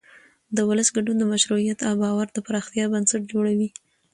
د ولس ګډون د مشروعیت او باور د پراختیا بنسټ جوړوي